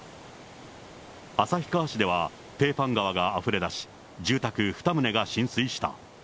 旭川市では、ペーパン川があふれだし、住宅２棟が浸水した。